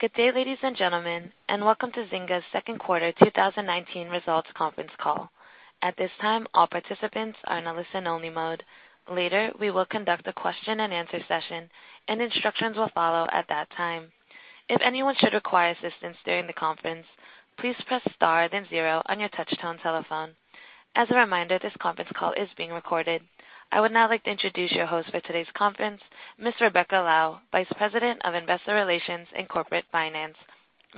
Good day, ladies and gentlemen, and welcome to Zynga's second quarter 2019 results conference call. At this time, all participants are in a listen-only mode. Later, we will conduct a question and answer session, and instructions will follow at that time. If anyone should require assistance during the conference, please press star then zero on your touch-tone telephone. As a reminder, this conference call is being recorded. I would now like to introduce your host for today's conference, Ms. Rebecca Lau, Vice President of Investor Relations and Corporate Finance.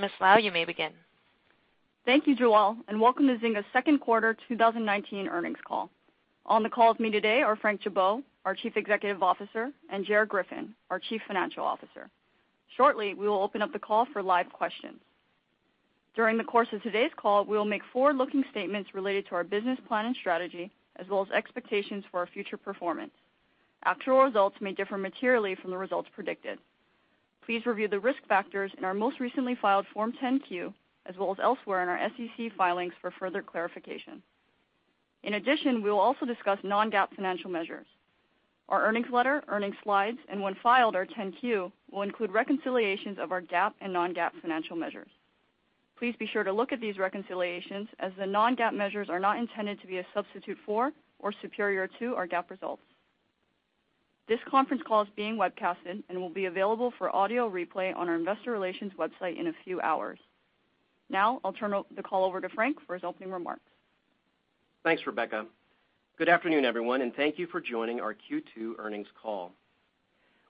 Ms. Lau, you may begin. Thank you, Joel. Welcome to Zynga's second quarter 2019 earnings call. On the call with me today are Frank Gibeau, our Chief Executive Officer, and Gerard Griffin, our Chief Financial Officer. Shortly, we will open up the call for live questions. During the course of today's call, we will make forward-looking statements related to our business plan and strategy, as well as expectations for our future performance. Actual results may differ materially from the results predicted. Please review the risk factors in our most recently filed Form 10-Q, as well as elsewhere in our SEC filings for further clarification. In addition, we will also discuss non-GAAP financial measures. Our earnings letter, earnings slides, and when filed, our 10-Q, will include reconciliations of our GAAP and non-GAAP financial measures. Please be sure to look at these reconciliations as the non-GAAP measures are not intended to be a substitute for or superior to our GAAP results. This conference call is being webcasted and will be available for audio replay on our investor relations website in a few hours. I'll turn the call over to Frank for his opening remarks. Thanks, Rebecca. Good afternoon, everyone, thank you for joining our Q2 earnings call.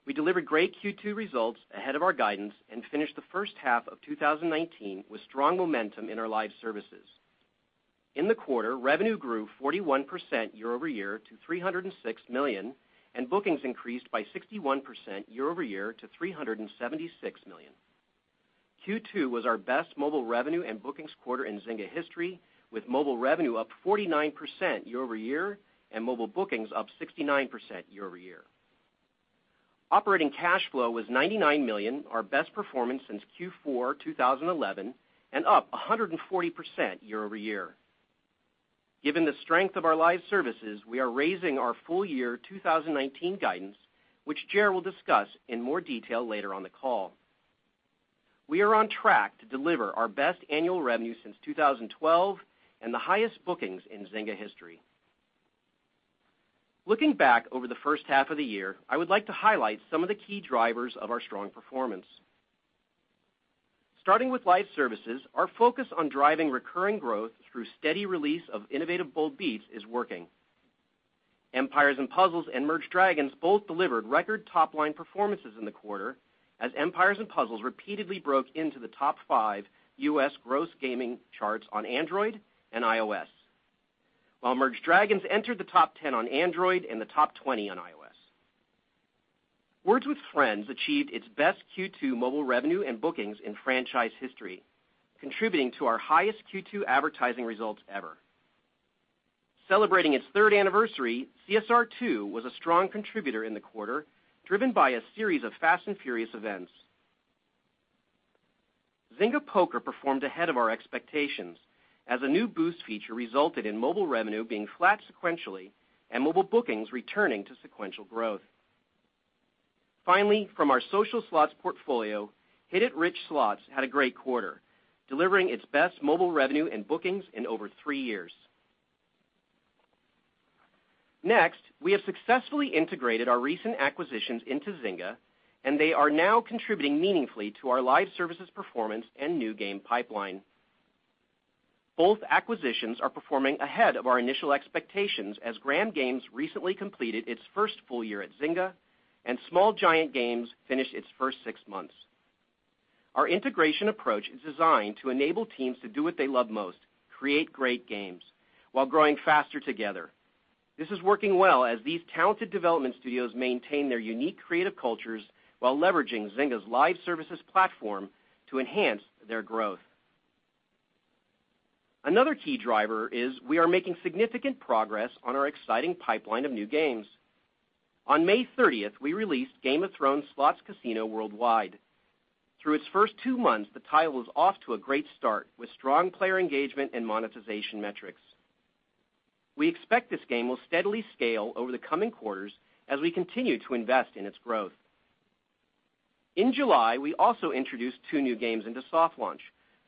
We delivered great Q2 results ahead of our guidance and finished the first half of 2019 with strong momentum in our live services. In the quarter, revenue grew 41% year-over-year to $306 million, and bookings increased by 61% year-over-year to $376 million. Q2 was our best mobile revenue and bookings quarter in Zynga history, with mobile revenue up 49% year-over-year and mobile bookings up 69% year-over-year. Operating cash flow was $99 million, our best performance since Q4 2011, and up 140% year-over-year. Given the strength of our live services, we are raising our full year 2019 guidance, which Gerard will discuss in more detail later on the call. We are on track to deliver our best annual revenue since 2012 and the highest bookings in Zynga history. Looking back over the first half of the year, I would like to highlight some of the key drivers of our strong performance. Starting with live services, our focus on driving recurring growth through steady release of innovative bold beats is working. Empires & Puzzles and Merge Dragons! both delivered record top-line performances in the quarter as Empires & Puzzles repeatedly broke into the top 5 U.S. gross gaming charts on Android and iOS. While Merge Dragons! entered the top 10 on Android and the top 20 on iOS. Words With Friends achieved its best Q2 mobile revenue and bookings in franchise history, contributing to our highest Q2 advertising results ever. Celebrating its third anniversary, CSR Racing 2 was a strong contributor in the quarter, driven by a series of Fast & Furious events. Zynga Poker performed ahead of our expectations as a new boost feature resulted in mobile revenue being flat sequentially and mobile bookings returning to sequential growth. From our social slots portfolio, Hit It Rich! had a great quarter, delivering its best mobile revenue and bookings in over three years. We have successfully integrated our recent acquisitions into Zynga, and they are now contributing meaningfully to our live services performance and new game pipeline. Both acquisitions are performing ahead of our initial expectations as Gram Games recently completed its first full year at Zynga and Small Giant Games finished its first six months. Our integration approach is designed to enable teams to do what they love most, create great games, while growing faster together. This is working well as these talented development studios maintain their unique creative cultures while leveraging Zynga's live services platform to enhance their growth. Another key driver is we are making significant progress on our exciting pipeline of new games. On May 30th, we released Game of Thrones Slots Casino worldwide. Through its first two months, the title is off to a great start with strong player engagement and monetization metrics. We expect this game will steadily scale over the coming quarters as we continue to invest in its growth. In July, we also introduced two new games into soft launch.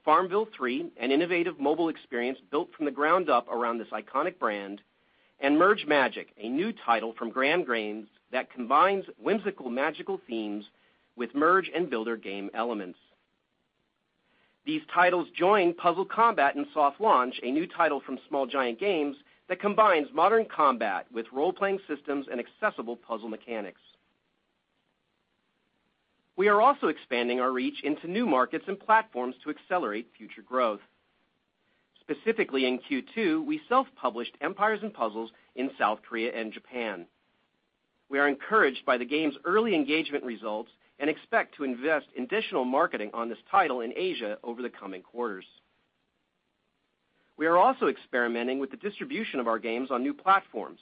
FarmVille 3, an innovative mobile experience built from the ground up around this iconic brand, and Merge Magic, a new title from Gram Games that combines whimsical magical themes with merge and builder game elements. These titles join Puzzle Combat in soft launch, a new title from Small Giant Games that combines modern combat with role-playing systems and accessible puzzle mechanics. We are also expanding our reach into new markets and platforms to accelerate future growth. Specifically, in Q2, we self-published Empires & Puzzles in South Korea and Japan. We are encouraged by the game's early engagement results and expect to invest additional marketing on this title in Asia over the coming quarters. We are also experimenting with the distribution of our games on new platforms.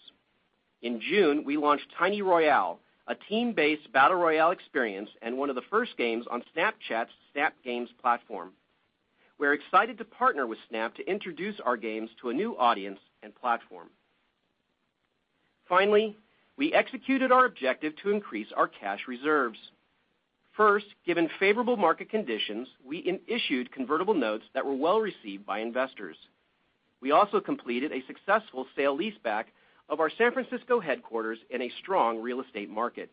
In June, we launched Tiny Royale, a team-based battle royale experience and one of the first games on Snapchat's Snap Games platform. We're excited to partner with Snap to introduce our games to a new audience and platform. Finally, we executed our objective to increase our cash reserves. First, given favorable market conditions, we issued convertible notes that were well-received by investors. We also completed a successful sale leaseback of our San Francisco headquarters in a strong real estate market.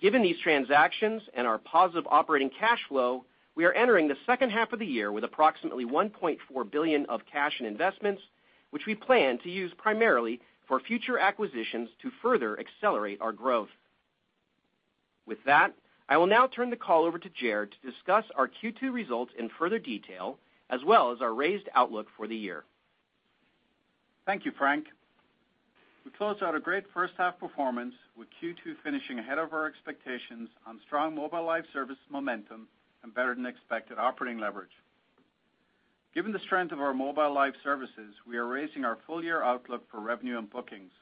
Given these transactions and our positive operating cash flow, we are entering the second half of the year with approximately $1.4 billion of cash and investments, which we plan to use primarily for future acquisitions to further accelerate our growth. With that, I will now turn the call over to Gerard to discuss our Q2 results in further detail, as well as our raised outlook for the year. Thank you, Frank. We closed out a great first-half performance with Q2 finishing ahead of our expectations on strong Mobile Live Services momentum and better-than-expected operating leverage. Given the strength of our Mobile Live Services, we are raising our full-year outlook for revenue and bookings.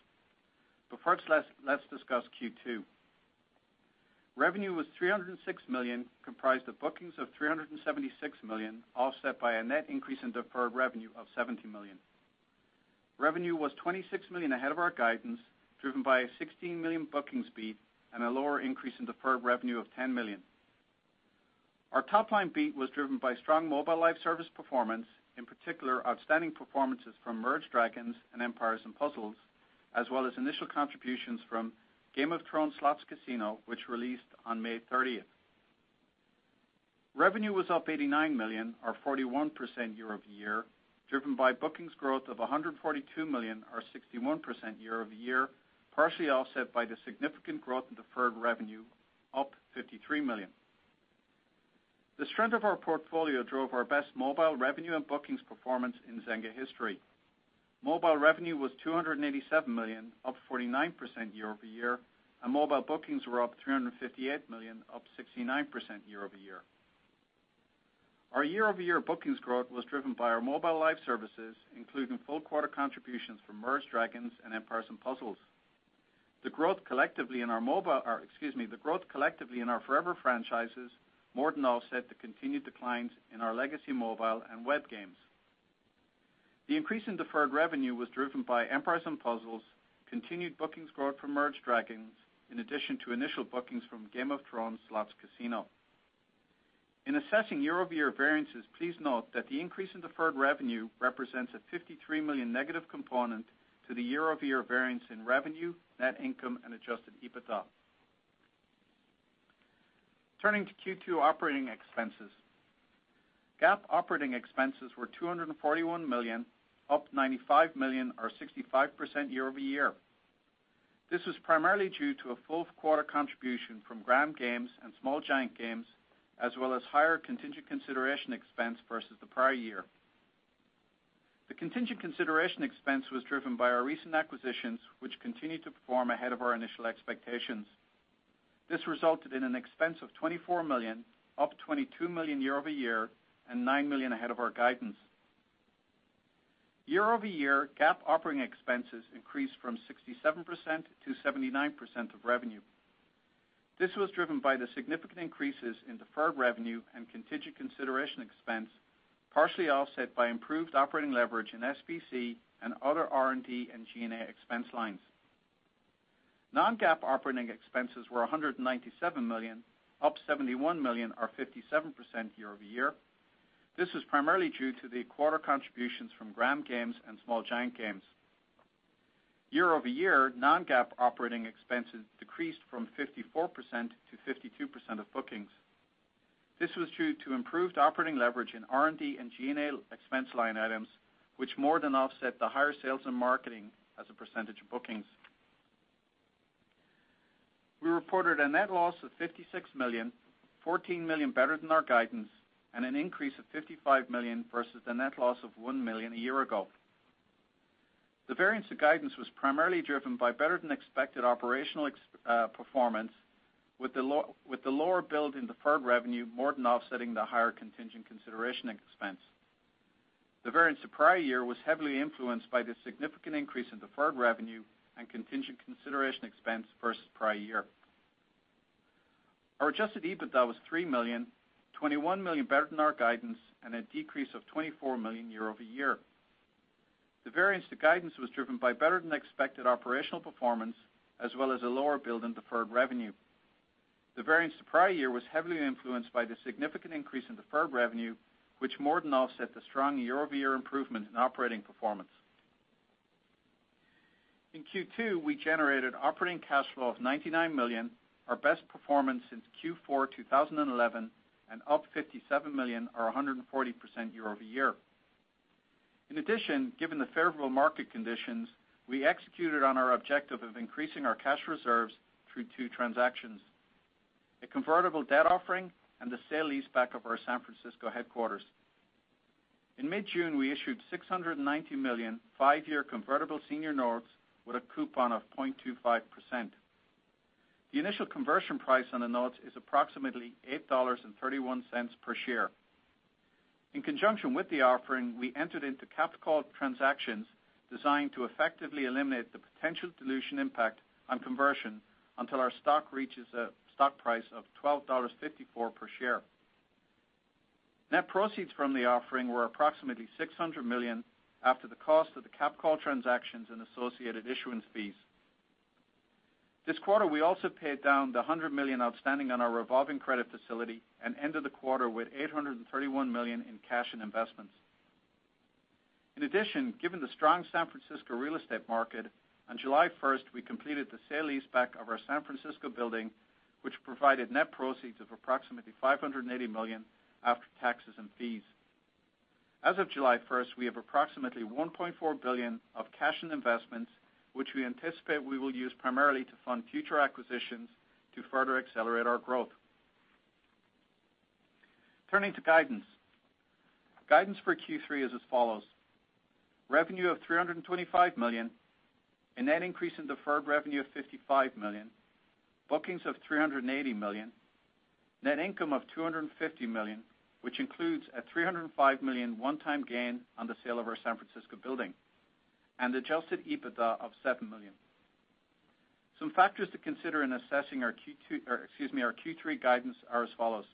First, let's discuss Q2. Revenue was $306 million, comprised of bookings of $376 million, offset by a net increase in deferred revenue of $70 million. Revenue was $26 million ahead of our guidance, driven by a $16 million bookings beat and a lower increase in deferred revenue of $10 million. Our top-line beat was driven by strong Mobile Live Service performance, in particular, outstanding performances from Merge Dragons! and Empires & Puzzles, as well as initial contributions from Game of Thrones Slots Casino, which released on May 30th. Revenue was up $89 million, or 41% year-over-year, driven by bookings growth of $142 million or 61% year-over-year, partially offset by the significant growth in deferred revenue up $53 million. The strength of our portfolio drove our best mobile revenue and bookings performance in Zynga history. Mobile revenue was $287 million, up 49% year-over-year, and mobile bookings were up $358 million, up 69% year-over-year. Our year-over-year bookings growth was driven by our Mobile Life Services, including full quarter contributions from Merge Dragons! and Empires & Puzzles. The growth collectively in our forever franchises more than offset the continued declines in our legacy mobile and web games. The increase in deferred revenue was driven by Empires & Puzzles, continued bookings growth from Merge Dragons!, in addition to initial bookings from Game of Thrones Slots Casino. In assessing year-over-year variances, please note that the increase in deferred revenue represents a $53 million negative component to the year-over-year variance in revenue, net income and adjusted EBITDA. Turning to Q2 operating expenses. GAAP operating expenses were $241 million, up $95 million or 65% year-over-year. This was primarily due to a full quarter contribution from Gram Games and Small Giant Games, as well as higher contingent consideration expense versus the prior year. The contingent consideration expense was driven by our recent acquisitions, which continued to perform ahead of our initial expectations. This resulted in an expense of $24 million, up $22 million year-over-year and $9 million ahead of our guidance. Year-over-year, GAAP operating expenses increased from 67% to 79% of revenue. This was driven by the significant increases in deferred revenue and contingent consideration expense, partially offset by improved operating leverage in SBC and other R&D and G&A expense lines. Non-GAAP operating expenses were $197 million, up $71 million or 57% year-over-year. This is primarily due to the quarter contributions from Gram Games and Small Giant Games. Year-over-year, non-GAAP operating expenses decreased from 54% to 52% of bookings. This was due to improved operating leverage in R&D and G&A expense line items, which more than offset the higher sales and marketing as a percentage of bookings. We reported a net loss of $56 million, $14 million better than our guidance and an increase of $55 million versus the net loss of $1 million a year ago. The variance to guidance was primarily driven by better-than-expected operational performance with the lower build in deferred revenue more than offsetting the higher contingent consideration expense. The variance to prior year was heavily influenced by the significant increase in deferred revenue and contingent consideration expense versus prior year. Our adjusted EBITDA was $3 million, $21 million better than our guidance and a decrease of $24 million year-over-year. The variance to guidance was driven by better-than-expected operational performance as well as a lower build in deferred revenue. The variance to prior year was heavily influenced by the significant increase in deferred revenue, which more than offset the strong year-over-year improvement in operating performance. In Q2, we generated operating cash flow of $99 million, our best performance since Q4 2011 and up $57 million or 140% year-over-year. In addition, given the favorable market conditions, we executed on our objective of increasing our cash reserves through two transactions, a convertible debt offering and the sale leaseback of our San Francisco headquarters. In mid-June, we issued $690 million five-year convertible senior notes with a coupon of 0.25%. The initial conversion price on the notes is approximately $8.31 per share. In conjunction with the offering, we entered into capped call transactions designed to effectively eliminate the potential dilution impact on conversion until our stock reaches a stock price of $12.54 per share. Net proceeds from the offering were approximately $600 million after the cost of the capped call transactions and associated issuance fees. This quarter, we also paid down the $100 million outstanding on our revolving credit facility and ended the quarter with $831 million in cash and investments. In addition, given the strong San Francisco real estate market, on July 1st, we completed the sale leaseback of our San Francisco building, which provided net proceeds of approximately $580 million after taxes and fees. As of July 1st, we have approximately $1.4 billion of cash and investments, which we anticipate we will use primarily to fund future acquisitions to further accelerate our growth. Turning to guidance. Guidance for Q3 is as follows: revenue of $325 million, a net increase in deferred revenue of $55 million, bookings of $380 million, net income of $250 million, which includes a $305 million one-time gain on the sale of our San Francisco building, and adjusted EBITDA of $7 million. Some factors to consider in assessing our Q3 guidance are as follows.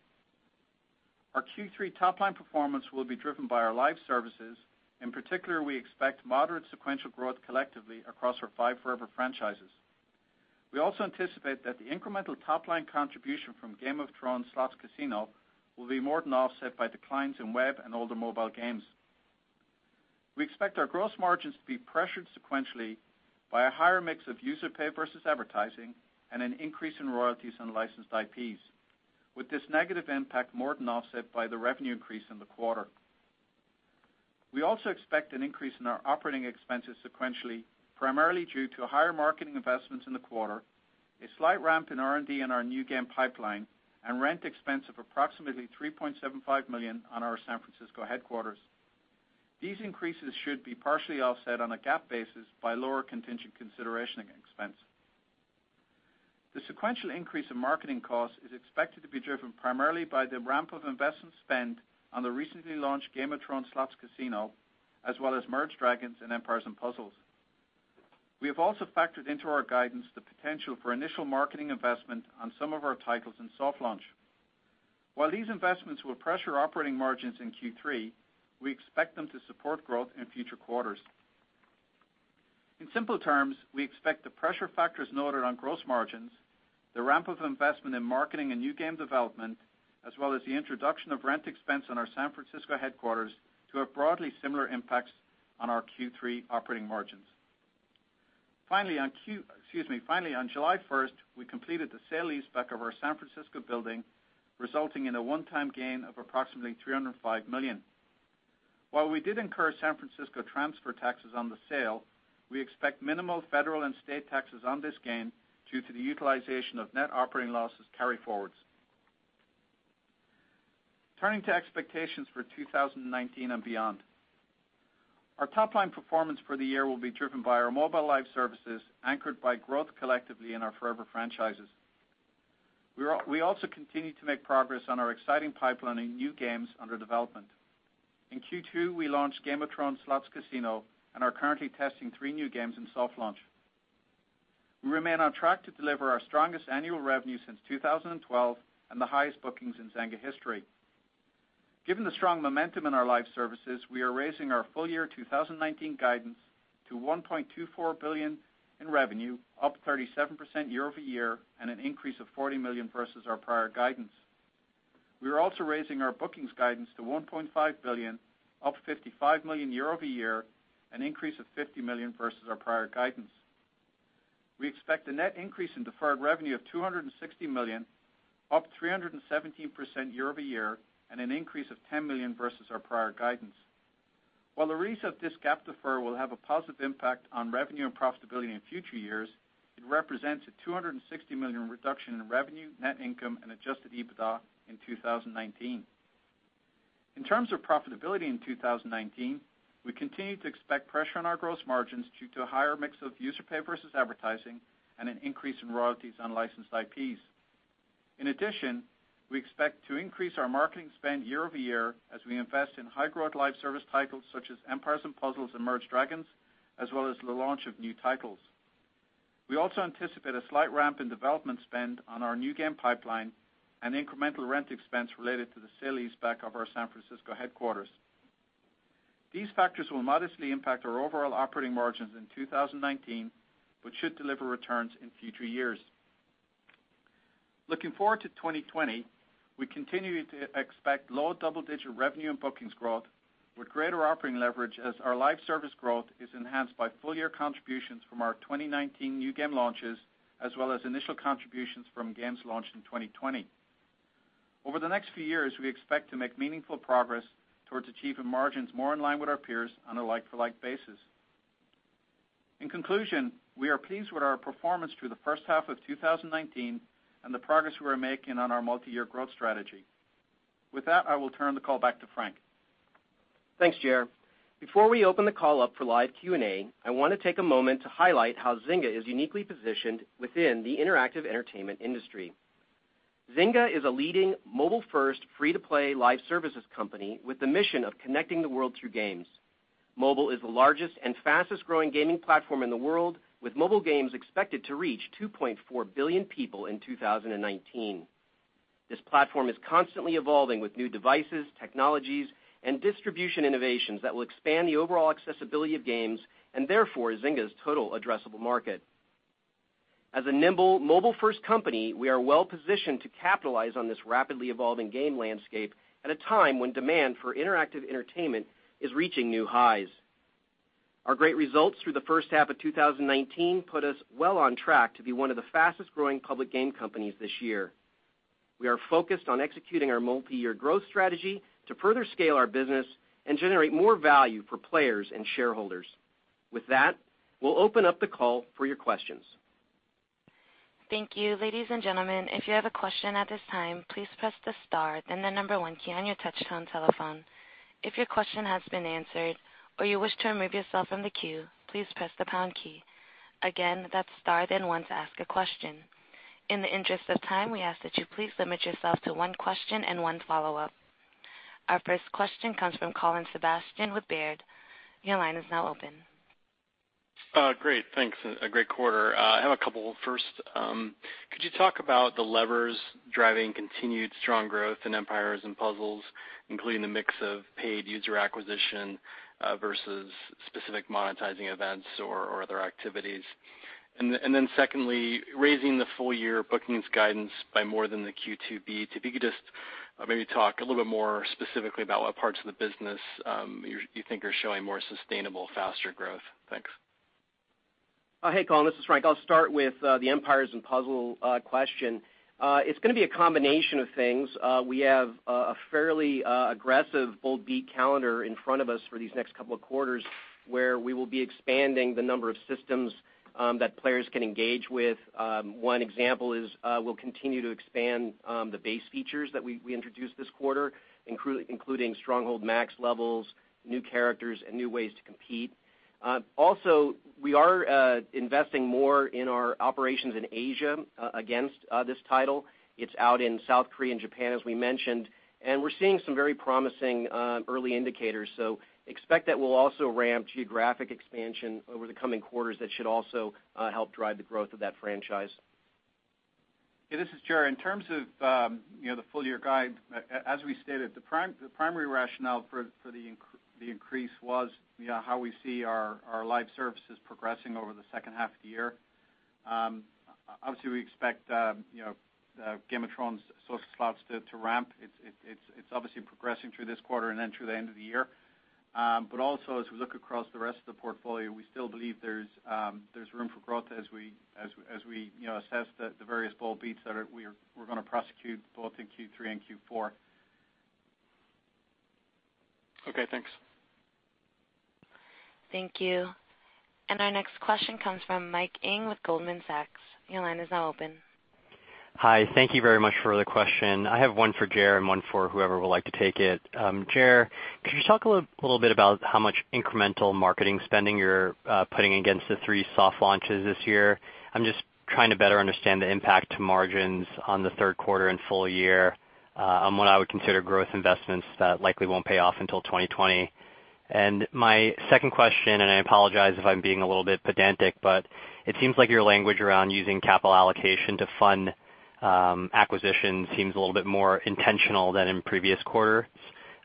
Our Q3 top-line performance will be driven by our live services. In particular, we expect moderate sequential growth collectively across our five forever franchises. We also anticipate that the incremental top-line contribution from Game of Thrones Slots Casino will be more than offset by declines in web and older mobile games. We expect our gross margins to be pressured sequentially by a higher mix of user pay versus advertising and an increase in royalties on licensed IPs, with this negative impact more than offset by the revenue increase in the quarter. We also expect an increase in our operating expenses sequentially, primarily due to higher marketing investments in the quarter, a slight ramp in R&D in our new game pipeline, and rent expense of approximately $3.75 million on our San Francisco headquarters. These increases should be partially offset on a GAAP basis by lower contingent consideration expense. The sequential increase in marketing costs is expected to be driven primarily by the ramp of investment spend on the recently launched "Game of Thrones Slots Casino," as well as "Merge Dragons!" and "Empires & Puzzles." We have also factored into our guidance the potential for initial marketing investment on some of our titles in soft launch. While these investments will pressure operating margins in Q3, we expect them to support growth in future quarters. In simple terms, we expect the pressure factors noted on gross margins, the ramp of investment in marketing and new game development, as well as the introduction of rent expense on our San Francisco headquarters to have broadly similar impacts on our Q3 operating margins. Finally, on July 1st, we completed the sale leaseback of our San Francisco building, resulting in a one-time gain of approximately $305 million. While we did incur San Francisco transfer taxes on the sale, we expect minimal federal and state taxes on this gain due to the utilization of net operating losses carryforwards. Turning to expectations for 2019 and beyond. Our top-line performance for the year will be driven by our mobile live services, anchored by growth collectively in our forever franchises. We also continue to make progress on our exciting pipeline in new games under development. In Q2, we launched Game of Thrones Slots Casino and are currently testing three new games in soft launch. We remain on track to deliver our strongest annual revenue since 2012 and the highest bookings in Zynga history. Given the strong momentum in our live services, we are raising our full-year 2019 guidance to $1.24 billion in revenue, up 37% year-over-year and an increase of $40 million versus our prior guidance. We are also raising our bookings guidance to $1.5 billion, up $55 million year-over-year, an increase of $50 million versus our prior guidance. We expect a net increase in deferred revenue of $260 million, up 317% year-over-year, and an increase of $10 million versus our prior guidance. While the raise of this GAAP defer will have a positive impact on revenue and profitability in future years, it represents a $260 million reduction in revenue, net income and adjusted EBITDA in 2019. In terms of profitability in 2019, we continue to expect pressure on our gross margins due to a higher mix of user pay versus advertising and an increase in royalties on licensed IPs. In addition, we expect to increase our marketing spend year-over-year as we invest in high-growth live service titles such as Empires & Puzzles and Merge Dragons!, as well as the launch of new titles. We also anticipate a slight ramp in development spend on our new game pipeline and incremental rent expense related to the sale leaseback of our San Francisco headquarters. These factors will modestly impact our overall operating margins in 2019, but should deliver returns in future years. Looking forward to 2020, we continue to expect low double-digit revenue and bookings growth with greater operating leverage as our live service growth is enhanced by full-year contributions from our 2019 new game launches, as well as initial contributions from games launched in 2020. Over the next few years, we expect to make meaningful progress towards achieving margins more in line with our peers on a like-for-like basis. In conclusion, we are pleased with our performance through the first half of 2019 and the progress we are making on our multi-year growth strategy. With that, I will turn the call back to Frank. Thanks, Ger. Before we open the call up for live Q&A, I want to take a moment to highlight how Zynga is uniquely positioned within the interactive entertainment industry. Zynga is a leading mobile-first, free-to-play live services company with the mission of connecting the world through games. Mobile is the largest and fastest-growing gaming platform in the world, with mobile games expected to reach 2.4 billion people in 2019. This platform is constantly evolving with new devices, technologies, and distribution innovations that will expand the overall accessibility of games, and therefore Zynga's total addressable market. As a nimble mobile-first company, we are well-positioned to capitalize on this rapidly evolving game landscape at a time when demand for interactive entertainment is reaching new highs. Our great results through the first half of 2019 put us well on track to be one of the fastest-growing public game companies this year. We are focused on executing our multi-year growth strategy to further scale our business and generate more value for players and shareholders. With that, we will open up the call for your questions. Thank you. Ladies and gentlemen, if you have a question at this time, please press the star, then the number 1 key on your touchtone telephone. If your question has been answered or you wish to remove yourself from the queue, please press the pound key. Again, that's star then one to ask a question. In the interest of time, we ask that you please limit yourself to one question and one follow-up. Our first question comes from Colin Sebastian with Baird. Your line is now open. Great. Thanks. A great quarter. I have a couple. First, could you talk about the levers driving continued strong growth in Empires & Puzzles, including the mix of paid user acquisition versus specific monetizing events or other activities? Secondly, raising the full-year bookings guidance by more than the Q2, if you could just maybe talk a little bit more specifically about what parts of the business you think are showing more sustainable, faster growth. Thanks. Hey, Colin. This is Frank. I'll start with the Empires & Puzzles question. It's going to be a combination of things. We have a fairly aggressive bold beat calendar in front of us for these next couple of quarters, where we will be expanding the number of systems that players can engage with. One example is we'll continue to expand the base features that we introduced this quarter, including Stronghold Max levels, new characters, and new ways to compete. We are investing more in our operations in Asia against this title. It's out in South Korea and Japan, as we mentioned, and we're seeing some very promising early indicators. Expect that we'll also ramp geographic expansion over the coming quarters that should also help drive the growth of that franchise. This is Ger. In terms of the full-year guide, as we stated, the primary rationale for the increase was how we see our live services progressing over the second half of the year. Obviously, we expect Game of Thrones Slots Casino to ramp. It's obviously progressing through this quarter and then through the end of the year. Also, as we look across the rest of the portfolio, we still believe there's room for growth as we assess the various bold beats that we're going to prosecute both in Q3 and Q4. Okay, thanks. Thank you. Our next question comes from Mike Ng with Goldman Sachs. Your line is now open. Hi. Thank you very much for the question. I have one for Ger and one for whoever would like to take it. Ger, could you talk a little bit about how much incremental marketing spending you're putting against the three soft launches this year? I'm just trying to better understand the impact to margins on the third quarter and full year on what I would consider growth investments that likely won't pay off until 2020. My second question, and I apologize if I'm being a little bit pedantic, but it seems like your language around using capital allocation to fund acquisition seems a little bit more intentional than in previous quarters.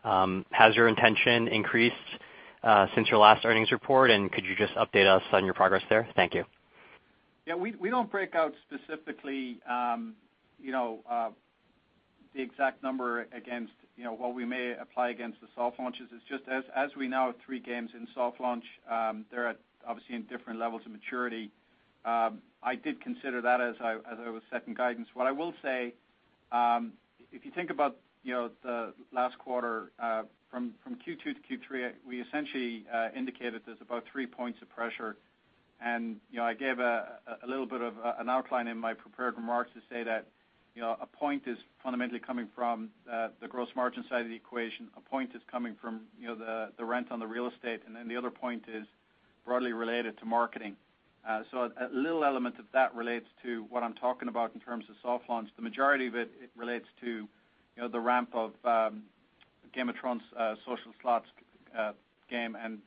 Has your intention increased since your last earnings report, and could you just update us on your progress there? Thank you. Yeah, we don't break out specifically the exact number against what we may apply against the soft launches. It's just as we now have three games in soft launch, they're obviously in different levels of maturity. I did consider that as I was setting guidance. What I will say, if you think about the last quarter from Q2 to Q3, we essentially indicated there's about three points of pressure. I gave a little bit of an outline in my prepared remarks to say that a point is fundamentally coming from the gross margin side of the equation. A point is coming from the rent on the real estate. The other point is broadly related to marketing. A little element of that relates to what I'm talking about in terms of soft launch. The majority of it relates to the ramp of Game of Thrones Slots Casino and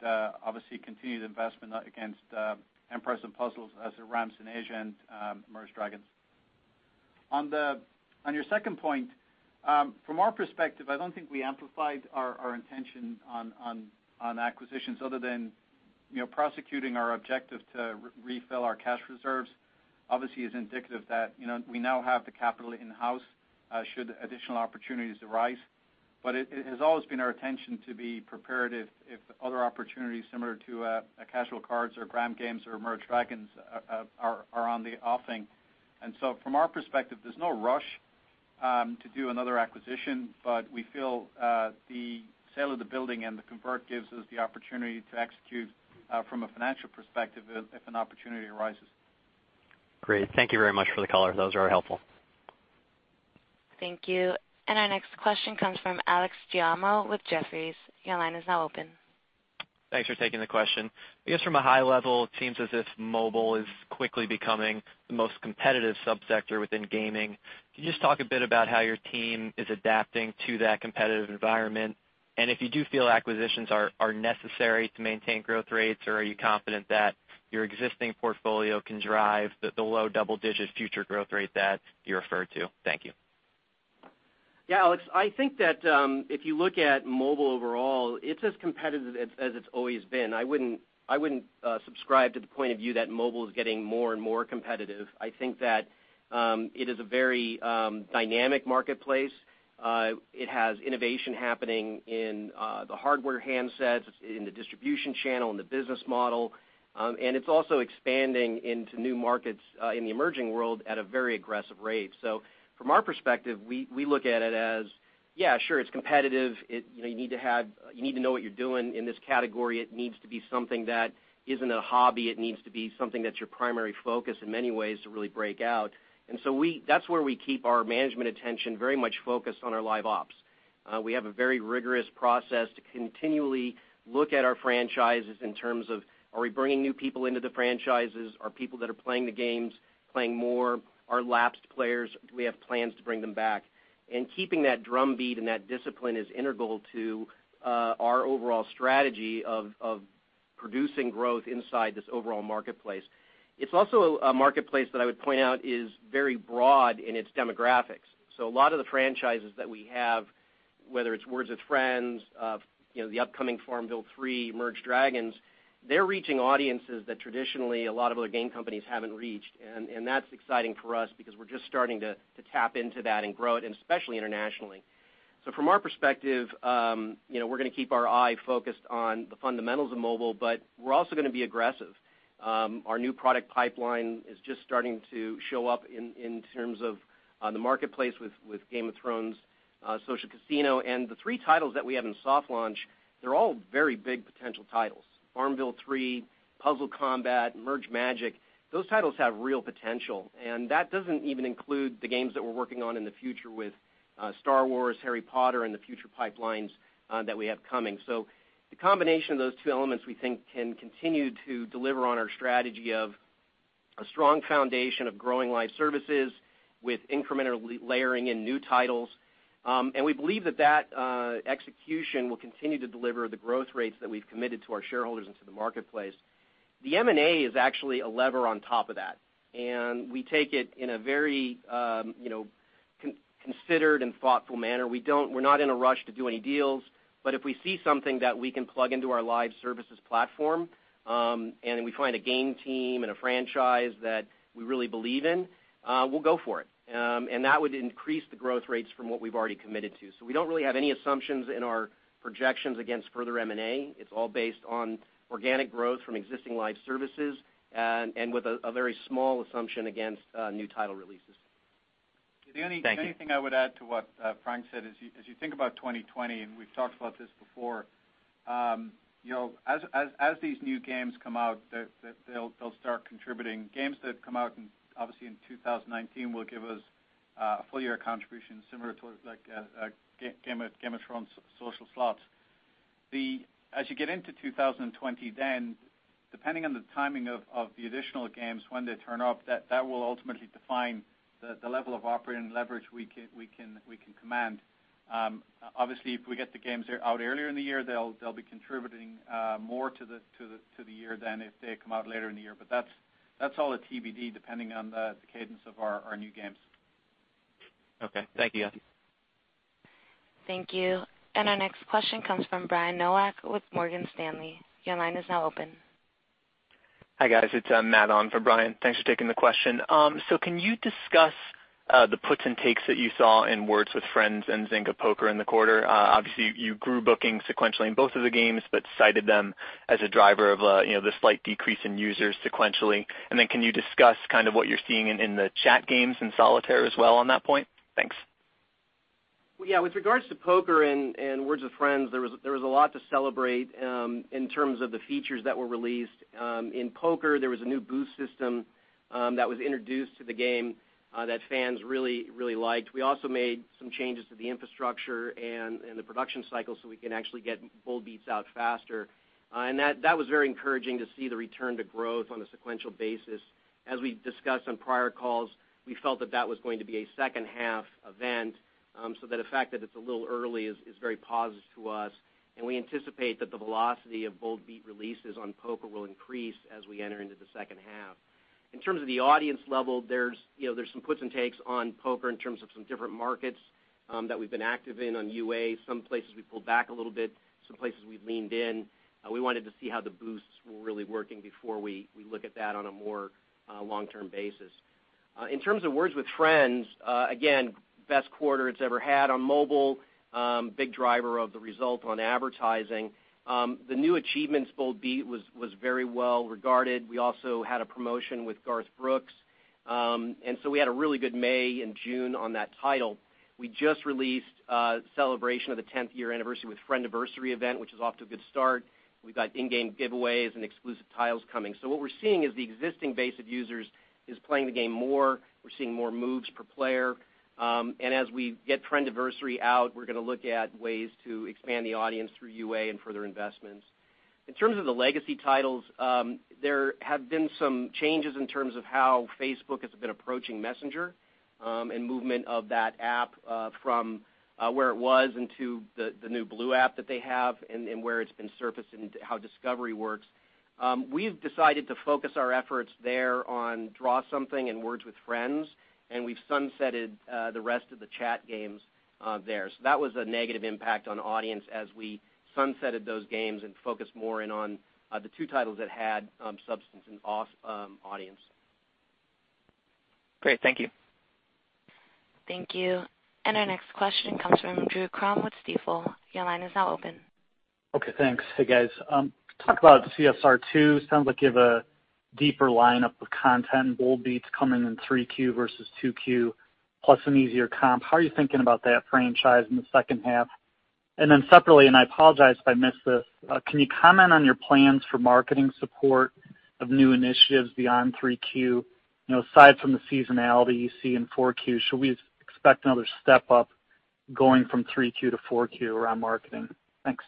obviously continued investment against Empires & Puzzles as it ramps in Asia and Merge Dragons!. On your second point, from our perspective, I don't think we amplified our intention on acquisitions other than prosecuting our objective to refill our cash reserves. Obviously, it's indicative that we now have the capital in-house should additional opportunities arise. It has always been our intention to be prepared if other opportunities similar to Casual Cards or Gram Games or Merge Dragons! are on the offing. From our perspective, there's no rush to do another acquisition, but we feel the sale of the building and the convert gives us the opportunity to execute from a financial perspective if an opportunity arises. Great. Thank you very much for the color. Those are helpful. Thank you. Our next question comes from Alex Giaimo with Jefferies. Your line is now open. Thanks for taking the question. I guess from a high level, it seems as if mobile is quickly becoming the most competitive sub-sector within gaming. Can you just talk a bit about how your team is adapting to that competitive environment? If you do feel acquisitions are necessary to maintain growth rates or are you confident that your existing portfolio can drive the low double-digit future growth rate that you referred to? Thank you. Yeah, Alex. I think that if you look at mobile overall, it's as competitive as it's always been. I wouldn't subscribe to the point of view that mobile is getting more and more competitive. I think that it is a very dynamic marketplace. It has innovation happening in the hardware handsets, in the distribution channel, in the business model. It's also expanding into new markets in the emerging world at a very aggressive rate. From our perspective, we look at it as, sure, it's competitive. You need to know what you're doing in this category. It needs to be something that isn't a hobby. It needs to be something that's your primary focus in many ways to really break out. That's where we keep our management attention very much focused on our live ops. We have a very rigorous process to continually look at our franchises in terms of, are we bringing new people into the franchises? Are people that are playing the games playing more? Are lapsed players, do we have plans to bring them back? Keeping that drumbeat and that discipline is integral to our overall strategy of producing growth inside this overall marketplace. It's also a marketplace that I would point out is very broad in its demographics. A lot of the franchises that we have, whether it's Words With Friends, the upcoming FarmVille 3, Merge Dragons!, they're reaching audiences that traditionally a lot of other game companies haven't reached. That's exciting for us because we're just starting to tap into that and grow it, and especially internationally. From our perspective, we're going to keep our eye focused on the fundamentals of mobile, but we're also going to be aggressive. Our new product pipeline is just starting to show up in terms of the marketplace with Game of Thrones, Social Casino, and the three titles that we have in soft launch, they're all very big potential titles. FarmVille 3, Puzzle Combat, Merge Magic!, those titles have real potential, and that doesn't even include the games that we're working on in the future with Star Wars, Harry Potter, and the future pipelines that we have coming. The combination of those two elements, we think can continue to deliver on our strategy of a strong foundation of growing live services with incremental layering in new titles. We believe that execution will continue to deliver the growth rates that we've committed to our shareholders and to the marketplace. The M&A is actually a lever on top of that. We take it in a very considered and thoughtful manner. We're not in a rush to do any deals, but if we see something that we can plug into our live services platform, and we find a game team and a franchise that we really believe in, we'll go for it. That would increase the growth rates from what we've already committed to. We don't really have any assumptions in our projections against further M&A. It's all based on organic growth from existing live services and with a very small assumption against new title releases. Thank you. The only thing I would add to what Frank said is, as you think about 2020, and we've talked about this before, as these new games come out, they'll start contributing. Games that come out, obviously, in 2019 will give us a full year contribution similar to Game of Thrones Slots Casino. As you get into 2020, then depending on the timing of the additional games, when they turn up, that will ultimately define the level of operating leverage we can command. Obviously, if we get the games out earlier in the year, they'll be contributing more to the year than if they come out later in the year. That's all at TBD, depending on the cadence of our new games. Okay. Thank you, guys. Thank you. Our next question comes from Brian Nowak with Morgan Stanley. Your line is now open. Hi, guys. It's Matt on for Brian. Thanks for taking the question. Can you discuss the puts and takes that you saw in Words With Friends and Zynga Poker in the quarter? Obviously, you grew booking sequentially in both of the games, but cited them as a driver of the slight decrease in users sequentially. Can you discuss what you're seeing in the chat games in Solitaire as well on that point? Thanks. Yeah. With regards to Poker and Words With Friends, there was a lot to celebrate in terms of the features that were released. In Poker, there was a new boost system that was introduced to the game that fans really liked. We also made some changes to the infrastructure and the production cycle so we can actually get bold beats out faster. That was very encouraging to see the return to growth on a sequential basis. As we discussed on prior calls, we felt that that was going to be a second half event, so that the fact that it's a little early is very positive to us, and we anticipate that the velocity of bold beat releases on Poker will increase as we enter into the second half. In terms of the audience level, there is some puts and takes on Poker in terms of some different markets that we have been active in on UA. Some places we pulled back a little bit, some places we leaned in. We wanted to see how the boosts were really working before we look at that on a more long-term basis. In terms of Words With Friends, again, best quarter it has ever had on mobile. Big driver of the result on advertising. The new achievements bold beat was very well regarded. We also had a promotion with Garth Brooks. We had a really good May and June on that title. We just released a celebration of the 10th year anniversary with Friendiversary event, which is off to a good start. We have got in-game giveaways and exclusive titles coming. What we're seeing is the existing base of users is playing the game more. We're seeing more moves per player. As we get Friendiversary out, we're going to look at ways to expand the audience through UA and further investments. In terms of the legacy titles, there have been some changes in terms of how Facebook has been approaching Messenger, and movement of that app from where it was into the new blue app that they have and where it's been surfaced and how discovery works. We've decided to focus our efforts there on Draw Something and Words With Friends, and we've sunsetted the rest of the chat games there. That was a negative impact on audience as we sunsetted those games and focused more in on the two titles that had substance and audience. Great. Thank you. Thank you. Our next question comes from Drew Crum with Stifel. Your line is now open. Okay, thanks. Hey, guys. Talk about CSR Racing 2, sounds like you have a deeper lineup of content and bold beats coming in 3Q versus 2Q, plus an easier comp. Separately, and I apologize if I missed this, can you comment on your plans for marketing support of new initiatives beyond 3Q? Aside from the seasonality you see in 4Q, should we expect another step up going from 3Q to 4Q around marketing? Thanks.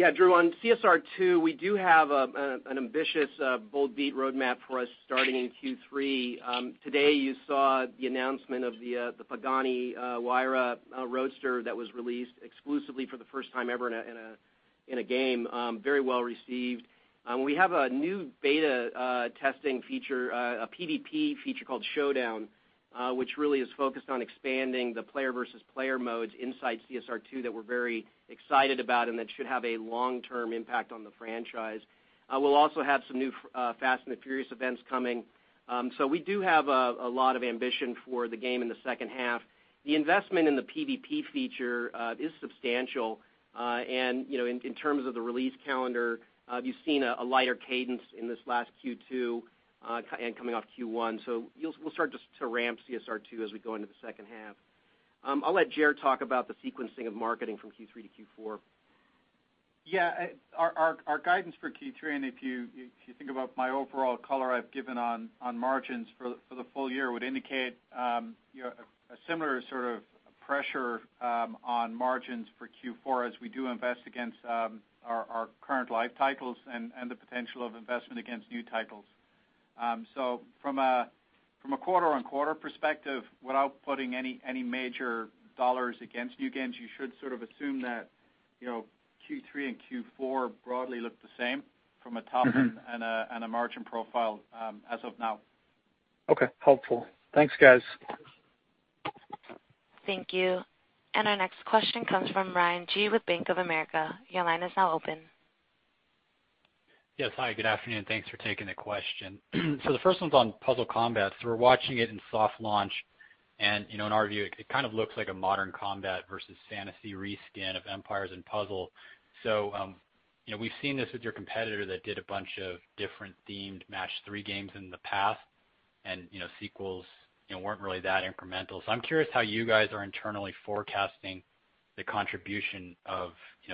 Yeah, Drew, on CSR 2, we do have an ambitious bold beat roadmap for us starting in Q3. Today, you saw the announcement of the Pagani Huayra Roadster that was released exclusively for the first time ever in a game. Very well-received. We have a new beta testing feature, a PVP feature called Showdown which really is focused on expanding the player versus player modes inside CSR 2 that we're very excited about and that should have a long-term impact on the franchise. We'll also have some new Fast & Furious events coming. We do have a lot of ambition for the game in the second half. The investment in the PVP feature is substantial. In terms of the release calendar, you've seen a lighter cadence in this last Q2 and coming off Q1. We'll start just to ramp CSR 2 as we go into the second half. I'll let Gerard talk about the sequencing of marketing from Q3 to Q4. Our guidance for Q3, and if you think about my overall color I've given on margins for the full year, would indicate a similar sort of pressure on margins for Q4 as we do invest against our current live titles and the potential of investment against new titles. From a quarter-on-quarter perspective, without putting any major $ against new games, you should assume that Q3 and Q4 broadly look the same from a top and a margin profile as of now. Okay. Helpful. Thanks, guys. Thank you. Our next question comes from Ryan Xie with Bank of America. Your line is now open. Yes, hi, good afternoon. Thanks for taking the question. The first one's on Puzzle Combat. We're watching it in soft launch, and in our view, it kind of looks like a modern combat versus fantasy reskin of Empires & Puzzles. We've seen this with your competitor that did a bunch of different themed match three games in the past, and sequels weren't really that incremental. I'm curious how you guys are internally forecasting the contribution of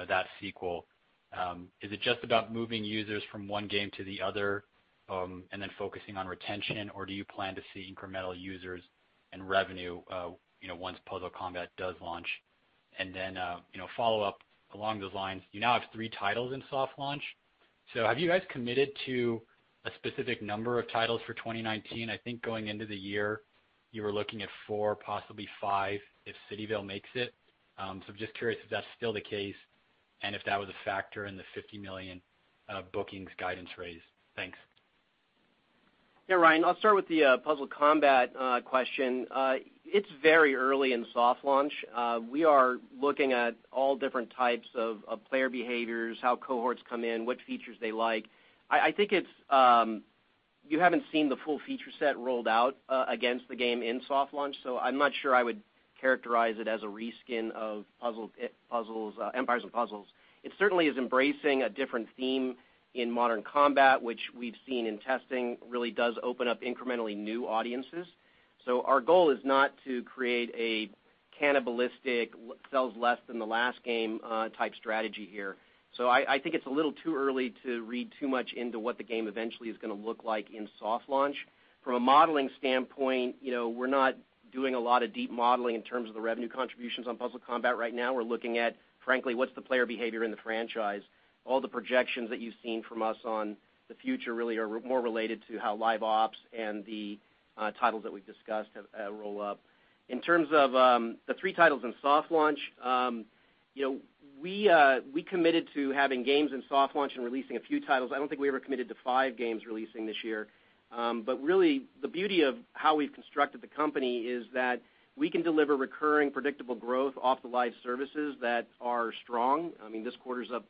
that sequel. Is it just about moving users from one game to the other and then focusing on retention, or do you plan to see incremental users and revenue once Puzzle Combat does launch? Follow-up along those lines, you now have three titles in soft launch. Have you guys committed to a specific number of titles for 2019? I think going into the year, you were looking at four, possibly five if CityVille makes it. Just curious if that's still the case and if that was a factor in the $50 million bookings guidance raise. Thanks. Yeah, Ryan, I'll start with the Puzzle Combat question. It's very early in soft launch. We are looking at all different types of player behaviors, how cohorts come in, what features they like. I think you haven't seen the full feature set rolled out against the game in soft launch. I'm not sure I would characterize it as a reskin of Empires & Puzzles. It certainly is embracing a different theme in modern combat, which we've seen in testing really does open up incrementally new audiences. Our goal is not to create a cannibalistic, sells less than the last game type strategy here. I think it's a little too early to read too much into what the game eventually is going to look like in soft launch. From a modeling standpoint, we're not doing a lot of deep modeling in terms of the revenue contributions on Puzzle Combat right now. We're looking at, frankly, what's the player behavior in the franchise. All the projections that you've seen from us on the future really are more related to how live ops and the titles that we've discussed roll up. In terms of the three titles in soft launch, we committed to having games in soft launch and releasing a few titles. I don't think we ever committed to five games releasing this year. Really, the beauty of how we've constructed the company is that we can deliver recurring, predictable growth off the live services that are strong. I mean, this quarter's up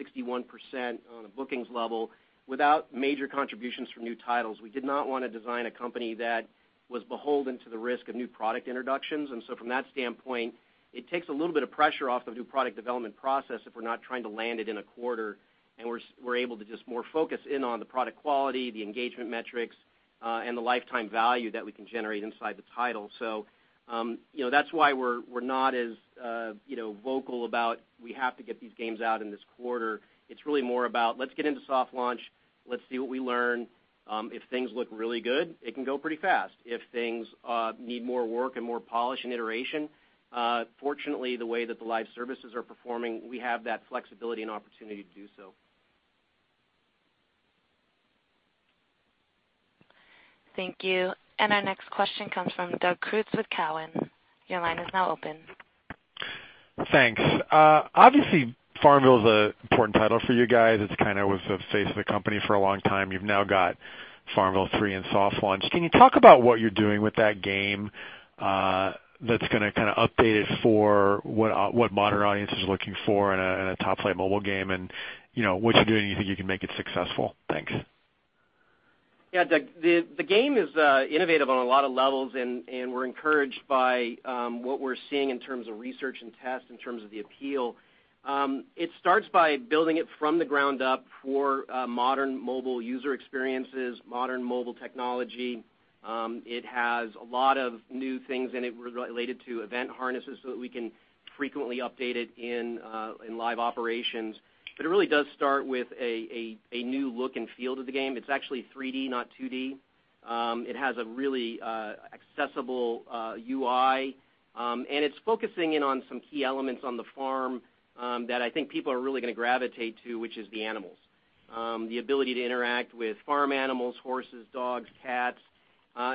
61% on a bookings level without major contributions from new titles. We did not want to design a company that was beholden to the risk of new product introductions. From that standpoint, it takes a little bit of pressure off the new product development process if we're not trying to land it in a quarter. We're able to just more focus in on the product quality, the engagement metrics, and the lifetime value that we can generate inside the title. That's why we're not as vocal about, we have to get these games out in this quarter. It's really more about, let's get into soft launch, let's see what we learn. If things look really good, it can go pretty fast. If things need more work and more polish and iteration, fortunately, the way that the live services are performing, we have that flexibility and opportunity to do so. Thank you. Our next question comes from Doug Creutz with Cowen. Your line is now open. Thanks. Obviously, FarmVille is an important title for you guys. It kind of was the face of the company for a long time. You've now got FarmVille 3 in soft launch. Can you talk about what you're doing with that game that's going to kind of update it for what modern audiences are looking for in a top-play mobile game, and what you're doing, you think you can make it successful? Thanks. Yeah, Doug, the game is innovative on a lot of levels, and we're encouraged by what we're seeing in terms of research and tests, in terms of the appeal. It starts by building it from the ground up for modern mobile user experiences, modern mobile technology. It has a lot of new things in it related to event harnesses so that we can frequently update it in live operations. It really does start with a new look and feel to the game. It's actually 3D, not 2D. It has a really accessible UI, and it's focusing in on some key elements on the farm that I think people are really going to gravitate to, which is the animals. The ability to interact with farm animals, horses, dogs, cats.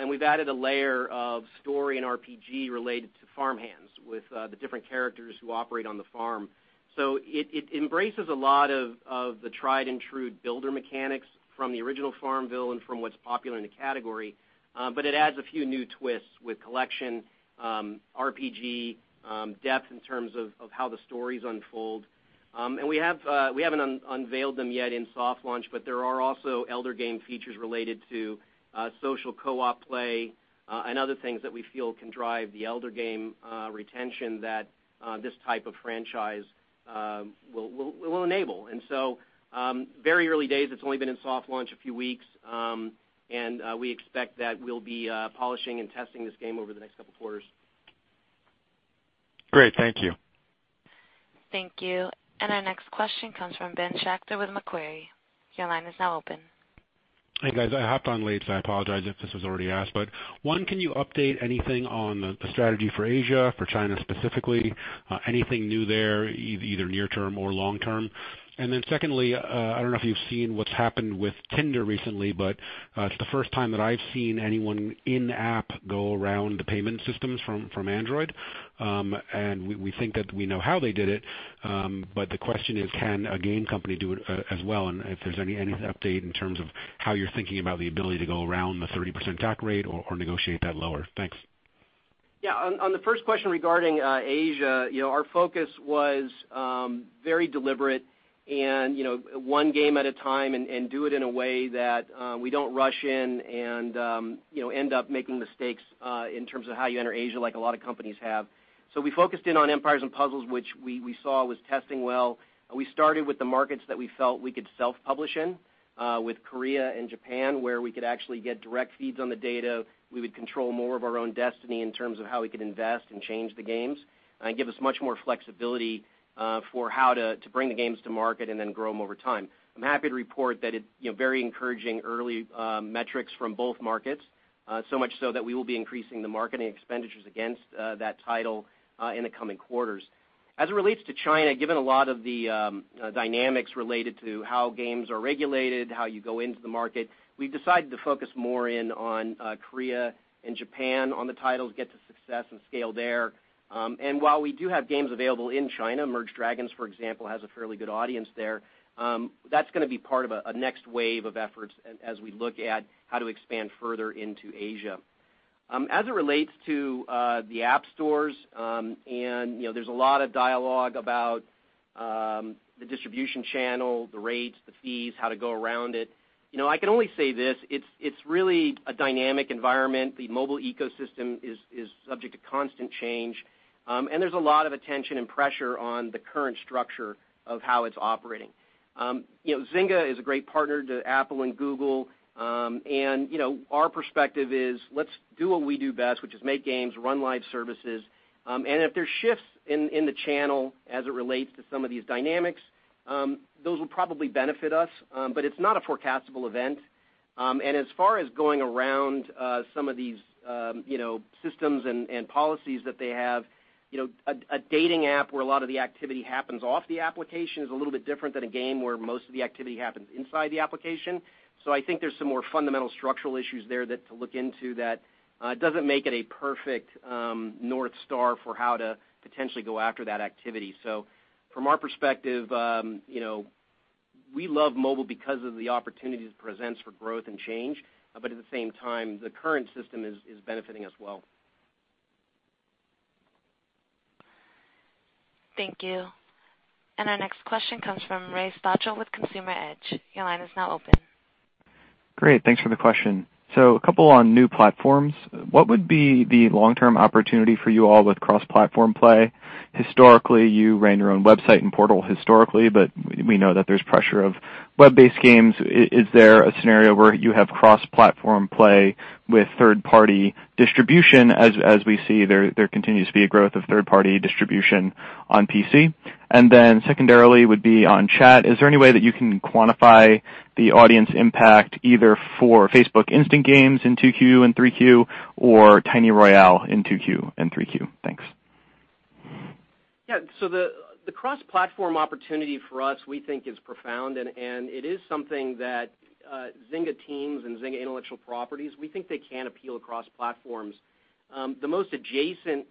We've added a layer of story and RPG related to farmhands with the different characters who operate on the farm. It embraces a lot of the tried and true builder mechanics from the original FarmVille and from what's popular in the category, but it adds a few new twists with collection, RPG depth in terms of how the stories unfold. We haven't unveiled them yet in soft launch, but there are also elder game features related to social co-op play and other things that we feel can drive the elder game retention that this type of franchise will enable. Very early days. It's only been in soft launch a few weeks. We expect that we'll be polishing and testing this game over the next couple of quarters. Great. Thank you. Thank you. Our next question comes from Ben Schachter with Macquarie. Your line is now open. Hey, guys. I hopped on late, so I apologize if this was already asked. One, can you update anything on the strategy for Asia, for China specifically? Anything new there, either near term or long term? Secondly, I don't know if you've seen what's happened with Tinder recently, but it's the first time that I've seen anyone in-app go around the payment systems from Android. We think that we know how they did it. The question is, can a game company do it as well? If there's any update in terms of how you're thinking about the ability to go around the 30% take rate or negotiate that lower. Thanks. Yeah. On the first question regarding Asia, our focus was very deliberate and one game at a time and do it in a way that we don't rush in and end up making mistakes in terms of how you enter Asia like a lot of companies have. We focused in on Empires & Puzzles, which we saw was testing well. We started with the markets that we felt we could self-publish in with Korea and Japan, where we could actually get direct feeds on the data. We would control more of our own destiny in terms of how we could invest and change the games and give us much more flexibility for how to bring the games to market and then grow them over time. I'm happy to report that very encouraging early metrics from both markets, so much so that we will be increasing the marketing expenditures against that title in the coming quarters. As it relates to China, given a lot of the dynamics related to how games are regulated, how you go into the market, we've decided to focus more in on Korea and Japan on the titles, get to success and scale there. While we do have games available in China, Merge Dragons!, for example, has a fairly good audience there, that's going to be part of a next wave of efforts as we look at how to expand further into Asia. As it relates to the app stores, there's a lot of dialogue about the distribution channel, the rates, the fees, how to go around it. I can only say this, it's really a dynamic environment. The mobile ecosystem is subject to constant change. There's a lot of attention and pressure on the current structure of how it's operating. Zynga is a great partner to Apple and Google, and our perspective is let's do what we do best, which is make games, run live services. If there's shifts in the channel as it relates to some of these dynamics, those will probably benefit us. It's not a forecastable event. As far as going around some of these systems and policies that they have, a dating app where a lot of the activity happens off the application is a little bit different than a game where most of the activity happens inside the application. I think there's some more fundamental structural issues there to look into that doesn't make it a perfect North Star for how to potentially go after that activity. From our perspective, we love mobile because of the opportunities it presents for growth and change. At the same time, the current system is benefiting us well. Thank you. Our next question comes from Ray Stochel with Consumer Edge. Your line is now open. Great. Thanks for the question. A couple on new platforms. What would be the long-term opportunity for you all with cross-platform play? Historically, you ran your own website and portal historically, but we know that there's pressure of web-based games. Is there a scenario where you have cross-platform play with third-party distribution, as we see there continues to be a growth of third-party distribution on PC? Secondarily would be on chat. Is there any way that you can quantify the audience impact either for Facebook Instant Games in 2Q and 3Q or Tiny Royale in 2Q and 3Q? Thanks. The cross-platform opportunity for us, we think is profound and it is something that Zynga teams and Zynga intellectual properties, we think they can appeal across platforms. The most adjacent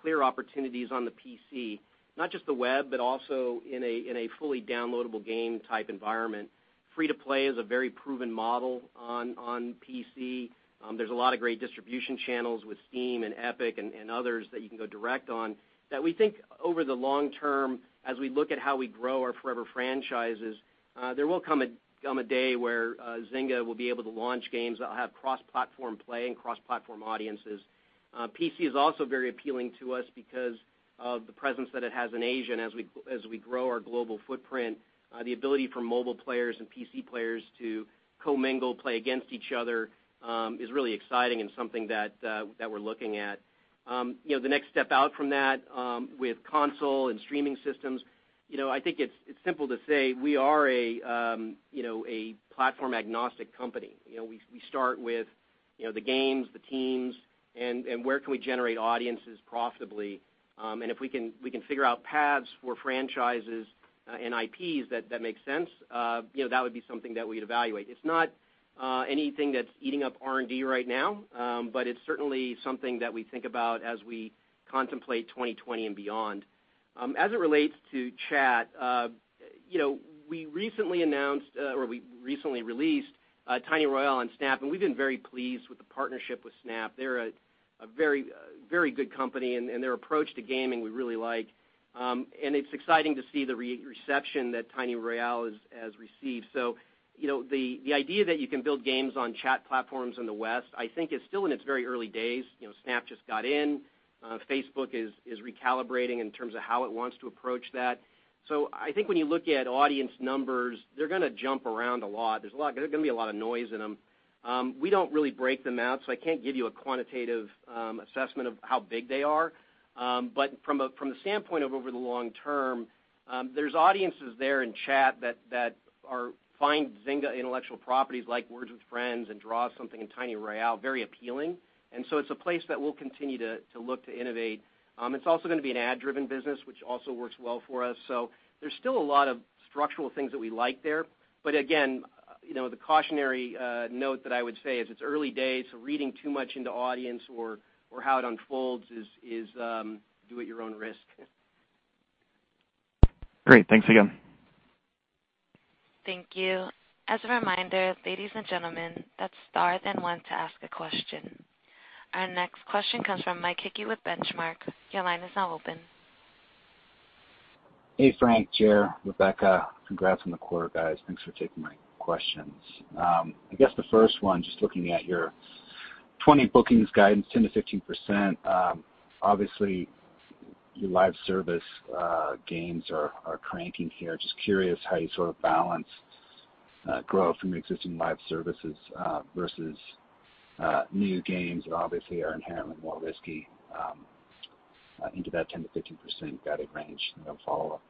clear opportunities on the PC, not just the web, but also in a fully downloadable game type environment. Free-to-play is a very proven model on PC. There's a lot of great distribution channels with Steam and Epic and others that you can go direct on that we think over the long term, as we look at how we grow our forever franchises, there will come a day where Zynga will be able to launch games that will have cross-platform play and cross-platform audiences. PC is also very appealing to us because of the presence that it has in Asia. As we grow our global footprint, the ability for mobile players and PC players to co-mingle, play against each other, is really exciting and something that we're looking at. The next step out from that with console and streaming systems, I think it's simple to say we are a platform-agnostic company. We start with the games, the teams, and where can we generate audiences profitably. If we can figure out paths for franchises and IPs that makes sense, that would be something that we'd evaluate. It's not anything that's eating up R&D right now, but it's certainly something that we think about as we contemplate 2020 and beyond. As it relates to chat, we recently released Tiny Royale on Snap, and we've been very pleased with the partnership with Snap. They're a very good company, and their approach to gaming we really like. It's exciting to see the reception that Tiny Royale has received. The idea that you can build games on chat platforms in the West, I think is still in its very early days. Snap just got in. Facebook is recalibrating in terms of how it wants to approach that. I think when you look at audience numbers, they're going to jump around a lot. There's going to be a lot of noise in them. We don't really break them out, so I can't give you a quantitative assessment of how big they are. From the standpoint of over the long term, there's audiences there in chat that find Zynga intellectual properties like Words With Friends and Draw Something and Tiny Royale very appealing, and so it's a place that we'll continue to look to innovate. It's also going to be an ad-driven business, which also works well for us. There's still a lot of structural things that we like there. Again, the cautionary note that I would say is it's early days, reading too much into audience or how it unfolds is do at your own risk. Great. Thanks again. Thank you. As a reminder, ladies and gentlemen, that's star then one to ask a question. Our next question comes from Mike Hickey with Benchmark. Your line is now open. Hey, Frank, Ger, Rebecca, congrats on the quarter, guys. Thanks for taking my questions. I guess the first one, just looking at your 2020 bookings guidance, 10%-15%. Obviously, your live service games are cranking here. Just curious how you sort of balance growth from existing live services versus new games that obviously are inherently more risky into that 10%-15% guided range? A follow-up.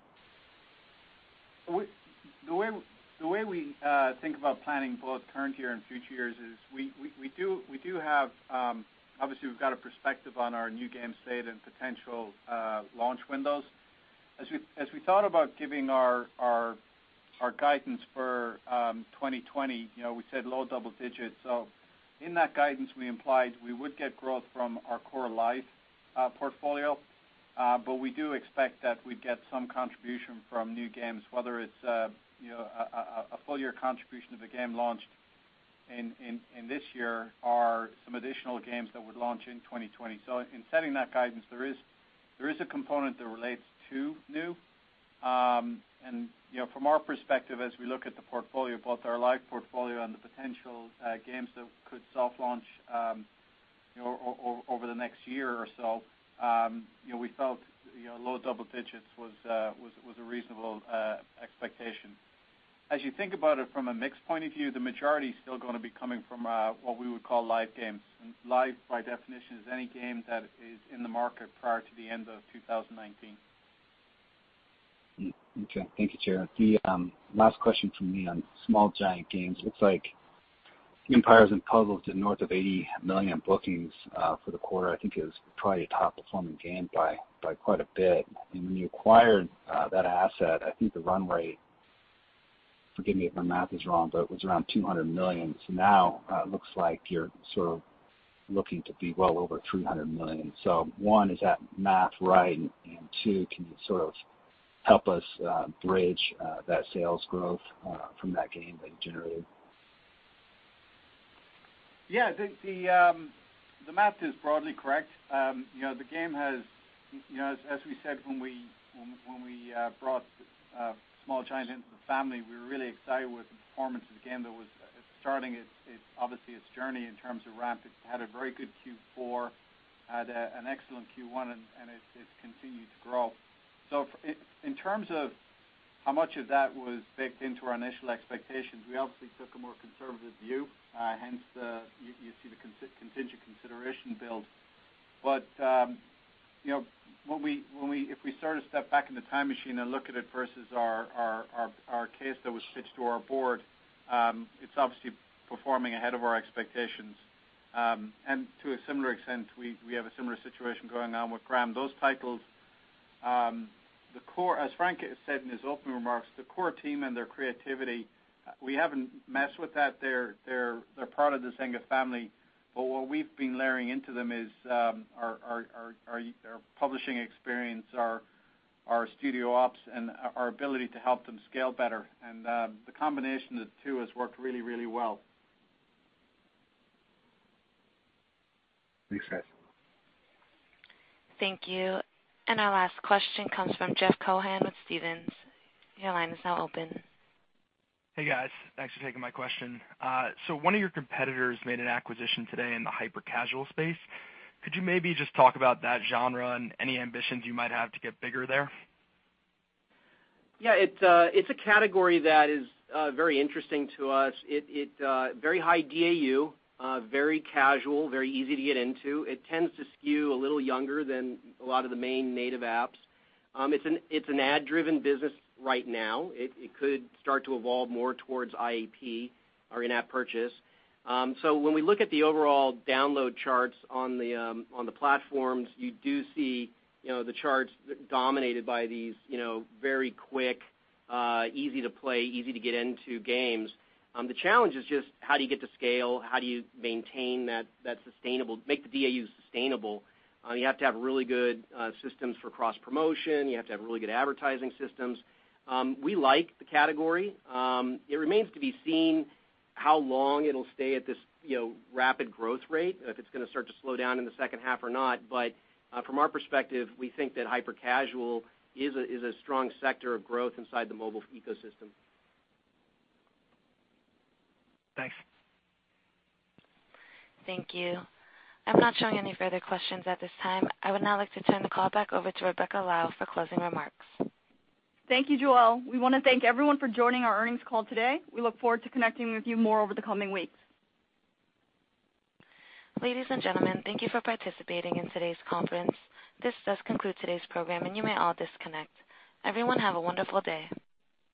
The way we think about planning both current year and future years is obviously we've got a perspective on our new game state and potential launch windows. As we thought about giving our guidance for 2020, we said low double digits. In that guidance, we implied we would get growth from our core live portfolio. We do expect that we'd get some contribution from new games, whether it's a full-year contribution of a game launched in this year or some additional games that would launch in 2020. In setting that guidance, there is a component that relates to new. From our perspective, as we look at the portfolio, both our live portfolio and the potential games that could soft launch over the next year or so, we felt low double digits was a reasonable expectation. As you think about it from a mix point of view, the majority is still going to be coming from what we would call live games. Live, by definition, is any game that is in the market prior to the end of 2019. Okay. Thank you, Ger. The last question from me on Small Giant Games, it looks like Empires & Puzzles did north of $80 million bookings for the quarter. I think it was probably a top-performing game by quite a bit. When you acquired that asset, I think the runway, forgive me if my math is wrong, but it was around $200 million. Now it looks like you're sort of looking to be well over $300 million. One, is that math right? Two, can you sort of help us bridge that sales growth from that game that it generated? Yeah, the math is broadly correct. The game has, as we said when we brought Small Giants into the family, we were really excited with the performance of the game that was starting obviously its journey in terms of ramp. It had a very good Q4, had an excellent Q1, it's continued to grow. In terms of how much of that was baked into our initial expectations, we obviously took a more conservative view, hence you see the contingent consideration build. If we sort of step back in the time machine and look at it versus our case that was pitched to our board, it's obviously performing ahead of our expectations. To a similar extent, we have a similar situation going on with Gram. Those titles, as Frank said in his opening remarks, the core team and their creativity, we haven't messed with that. They're part of the Zynga family. What we've been layering into them is our publishing experience, our studio ops, and our ability to help them scale better. The combination of the two has worked really well. Thanks, guys. Thank you. Our last question comes from Jeff Cohen with Stephens. Your line is now open. Hey, guys. Thanks for taking my question. One of your competitors made an acquisition today in the hyper-casual space. Could you maybe just talk about that genre and any ambitions you might have to get bigger there? Yeah, it's a category that is very interesting to us. Very high DAU, very casual, very easy to get into. It tends to skew a little younger than a lot of the main native apps. It's an ad-driven business right now. It could start to evolve more towards IAP or in-app purchase. When we look at the overall download charts on the platforms, you do see the charts dominated by these very quick, easy to play, easy to get into games. The challenge is just how do you get to scale? How do you make the DAU sustainable? You have to have really good systems for cross-promotion. You have to have really good advertising systems. We like the category. It remains to be seen how long it'll stay at this rapid growth rate and if it's going to start to slow down in the second half or not. From our perspective, we think that hyper-casual is a strong sector of growth inside the mobile ecosystem. Thanks. Thank you. I'm not showing any further questions at this time. I would now like to turn the call back over to Rebecca Lau for closing remarks. Thank you, Joel. We want to thank everyone for joining our earnings call today. We look forward to connecting with you more over the coming weeks. Ladies and gentlemen, thank you for participating in today's conference. This does conclude today's program, and you may all disconnect. Everyone, have a wonderful day.